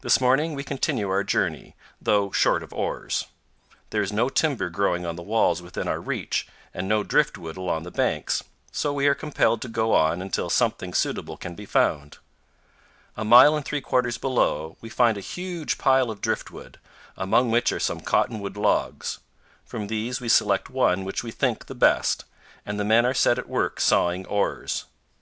This morning we continue our journey, though short of oars. There is no timber growing on the walls within our reach and no driftwood along the banks, so we are compelled to go on until something suitable can be found. A mile and three quarters below, we find 216 CANYONS OF THE COLORADO. a huge pile of driftwood, among which are some cottonwood logs. From these we select one which we think the best, and the men are set at work sawing oars.